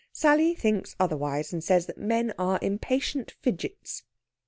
Sally thinks otherwise, and says men are impatient fidgets.